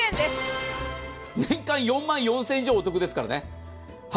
年間４万４０００円以上お得ですからね